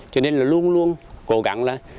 cho nên là luôn luôn cố gắng là